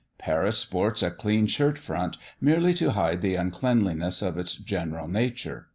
Paris sports a clean shirt front merely to hide the uncleanliness of its general nature.